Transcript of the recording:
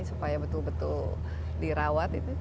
supaya betul betul dirawat